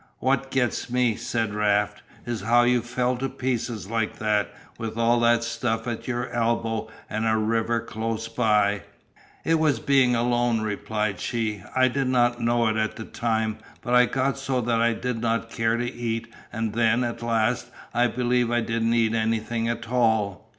"What gets me," said Raft, "is how you fell to pieces like that, with all that stuff at your elbow and a river close by." "It was being alone," replied she, "I did not know it at the time, but I got so that I did not care to eat and then at last I believe I didn't eat anything at all.